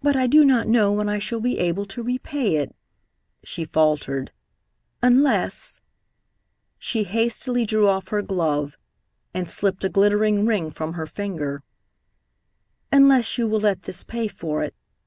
"But I do not know when I shall be able to repay it," she faltered, "unless" she hastily drew off her glove and slipped a glittering ring from her finger "unless you will let this pay for it.